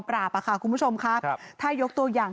ปี๖๕วันเช่นเดียวกัน